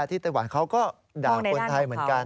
ไต้หวันเขาก็ด่าคนไทยเหมือนกัน